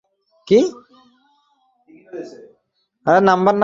তিনি কিছু সময় চাকরি করেন।